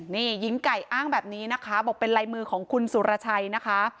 นี่หญิงไก่อ้างแบบนี้นะคะบอกเป็นลายมือของคุณสุรชัยนะคะ